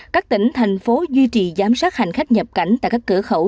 các tỉnh thành phố duy trì giám sát hành khách nhập cảnh tại các cửa khẩu